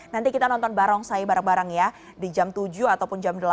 nanti kita nonton barongsai bareng bareng ya di jam tujuh ataupun jam delapan